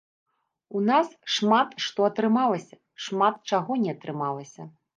У нас шмат што атрымалася, шмат чаго не атрымалася.